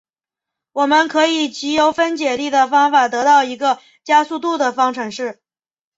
我们可以藉由分解力的方法得到一个加速度的方程式。